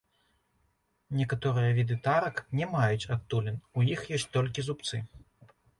Некаторыя віды тарак не маюць адтулін, у іх ёсць толькі зубцы.